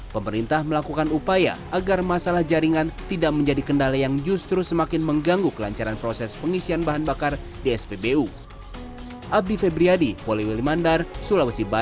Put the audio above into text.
pemerintah melakukan upaya agar masalah jaringan tidak menjadi kendala yang justru semakin mengganggu kelancaran proses pengisian bahan bakar di spbu